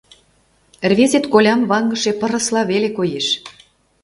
Рвезет колям ваҥыше пырысла веле коеш.